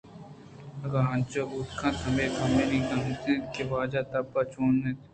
اگاں انچو بوت کنت ہمے پہ من گنج اِنت کہ واجہ ءِ تب چون اَت